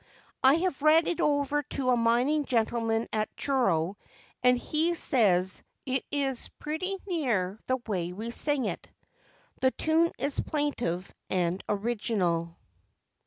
I have read it over to a mining gentleman at Truro, and he says 'It is pretty near the way we sing it.' The tune is plaintive and original.